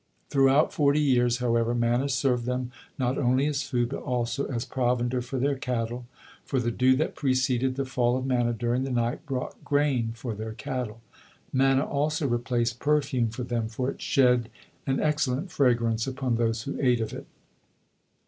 Throughout forty years, however, manna served them not only as food, but also as provender for their cattle, for the dew that preceded the fall of manna during the night brought grain for their cattle. Manna also replaced perfume for them, for it shed and excellent fragrance upon those who ate of it.